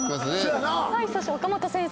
はいそして岡本先生。